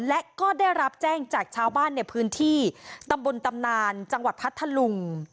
และก็ได้รับแจ้งจากชาวบ้านในพื้นที่ตำบลตำนานจังหวัดพัทธลุง